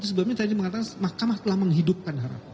itu sebabnya tadi mengatakan mahkamah telah menghidupkan haram